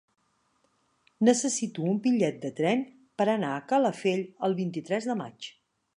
Necessito un bitllet de tren per anar a Calafell el vint-i-tres de maig.